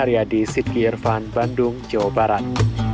ikirvan bandung jawa barat